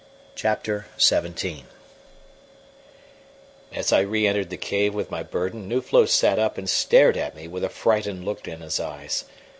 CHAPTER XVII As I re entered the cave with my burden Nuflo sat up and stared at me with a frightened look in his eyes.